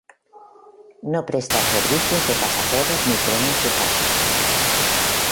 No presta servicios de pasajeros ni de trenes de carga.